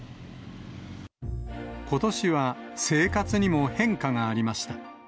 ことしは生活にも変化がありました。